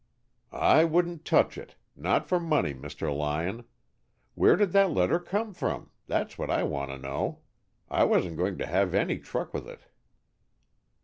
"I wouldn't touch it. Not for money, Mr. Lyon. Where did that letter come from? That's what I want to know. I wasn't going to have any truck with it."